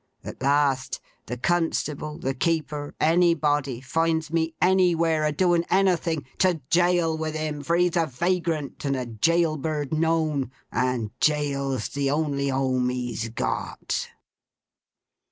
At last, the constable, the keeper—anybody—finds me anywhere, a doing anything. To jail with him, for he's a vagrant, and a jail bird known; and jail's the only home he's got.